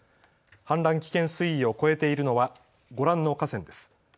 氾濫危険水位を超えているのはご覧の河川です。